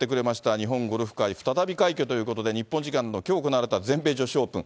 日本ゴルフ界再び快挙ということで、日本時間のきょう行われた全米女子オープン。